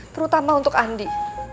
terutama untuk andi